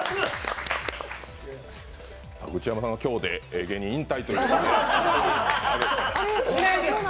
グチヤマさんは今日で芸人、引退ということで。